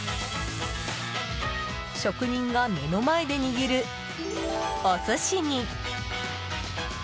職人が目の前で握るお寿司に。